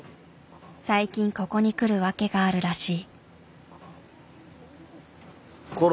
最近ここに来る訳があるらしい。